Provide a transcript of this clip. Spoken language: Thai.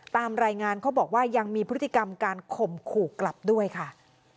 ตามรายงานเขาบอกว่ายังมีพฤติกรรมการข่มขู่กลับด้วยค่ะ